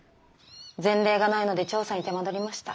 前例がないので調査に手間取りました。